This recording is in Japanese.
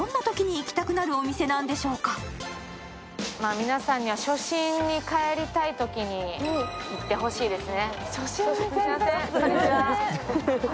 皆さんには初心に返りたいときに行ってほしいですね。